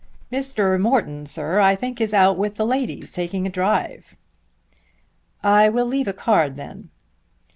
"Mr. Morton, sir, I think is out with the ladies, taking a drive." "I will leave a card then."